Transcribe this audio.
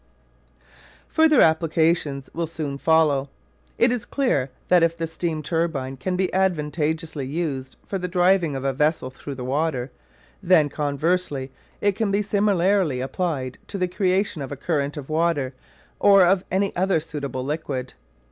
Further applications will soon follow. It is clear that if the steam turbine can be advantageously used for the driving of a vessel through the water, then, conversely, it can be similarly applied to the creation of a current of water or of any other suitable liquid.